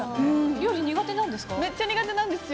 料理苦手なんですか。